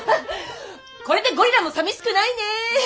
これでゴリラもさみしくないね！